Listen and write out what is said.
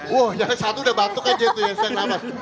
wah yang satu udah batuk aja itu ya